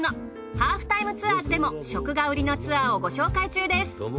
『ハーフタイムツアーズ』でも食が売りのツアーをご紹介中です。